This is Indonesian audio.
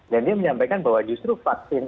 dan dia menyampaikan bahwa justru vaksin